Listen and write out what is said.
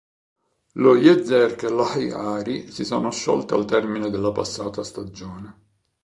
Lo Yezerk e l'Hay Ari si sono sciolte al termine della passata stagione.